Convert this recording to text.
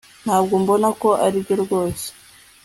ntabwo mbona ko aribyo rwose